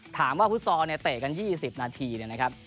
ฟุตซอลเนี่ยเตะกัน๒๐นาทีเนี่ยนะครับ